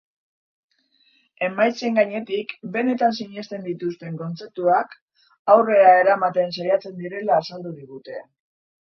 Emaitzen gainetik, benetan sinesten dituzten kontzeptuak aurrera eramaten saiatzen direla azaldu digute.